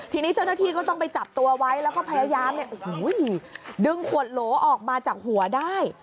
ทีนี้เจ้าหน้าที่ก็ต้องไปจับตัวไว้แล้วก็พยายามดึงขวดโหลออกมาจากหัวได้